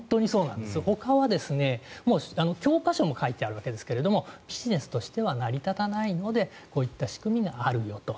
ほかはもう教科書も書いてあるわけですがビジネスとしては成り立たないのでこういった仕組みがあるよと。